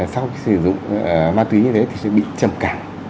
sau khi sử dụng ma túy như thế thì sẽ bị trầm cảm